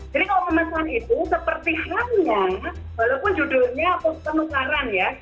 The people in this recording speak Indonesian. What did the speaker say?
jadi kalau memesan itu seperti hanya walaupun judulnya pemesaran ya